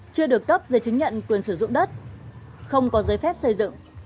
chưa được cấp giấy chứng nhận quyền sử dụng đất không có giấy phép xây dựng